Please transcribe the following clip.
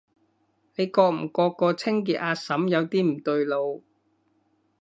你覺唔覺個清潔阿嬸有啲唔對路？